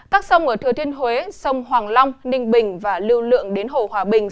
các sông ở thừa thiên huế sông hoàng long ninh bình và lưu lượng đến hồ hòa bình